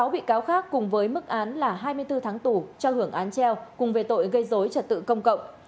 sáu bị cáo khác cùng với mức án là hai mươi bốn tháng tù cho hưởng án treo cùng về tội gây dối trật tự công cộng